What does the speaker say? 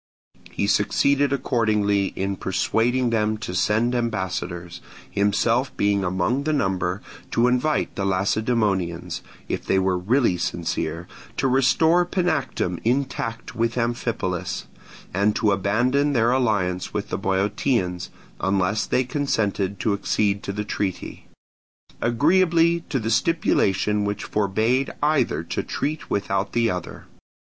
He succeeded accordingly in persuading them to send ambassadors, himself being among the number, to invite the Lacedaemonians, if they were really sincere, to restore Panactum intact with Amphipolis, and to abandon their alliance with the Boeotians (unless they consented to accede to the treaty), agreeably to the stipulation which forbade either to treat without the other.